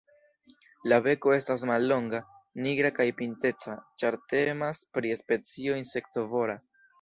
La beko estas mallonga, nigra kaj pinteca, ĉar temas pri specio insektovora.